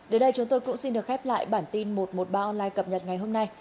đến đây chúng tôi cũng xin được khép lại bản tin một trăm một mươi ba online cập nhật ngày hôm nay